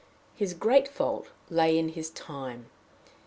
His great fault lay in his time.